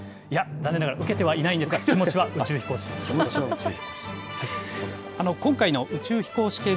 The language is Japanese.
いや、残念ながら受けてはいないんですが、気持ちは宇宙飛行士。